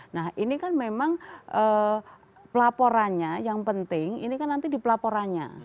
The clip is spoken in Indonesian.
nah ini kan memang pelaporannya yang penting ini kan nanti di pelaporannya